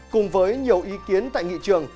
cùng với nhiều ý kiến tại nghị trường